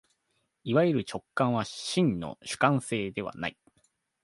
いわゆる主観は真の主観性ではない。